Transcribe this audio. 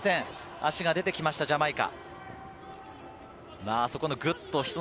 足が出てきました、ジャマイカ。